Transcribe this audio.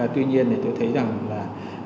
tuy nhiên thì tôi thấy rằng là